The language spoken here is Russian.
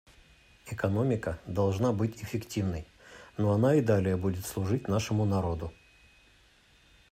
Экономика должна быть эффективной, но она и далее будет служить нашему народу.